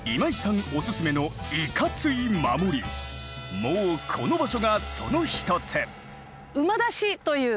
もうこの場所がその一つ。